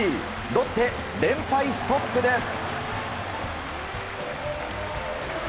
ロッテ、連敗ストップです。